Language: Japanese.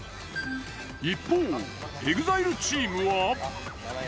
一方ＥＸＩＬＥチームは？